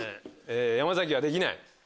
山崎は「できない」。